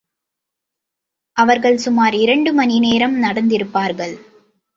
அவர்கள் சுமார் இரண்டு மணி நேரம் நடந்திருப்பார்கள்.